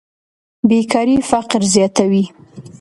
بېکاري فقر زیاتوي.